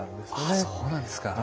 ああそうなんですか。